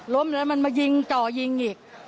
ล้มแล้วมันมายิงจ่อยิงอีก